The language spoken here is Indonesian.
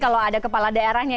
kalau ada kepala daerahnya